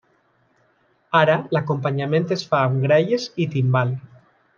Ara l'acompanyament es fa amb gralles i timbal.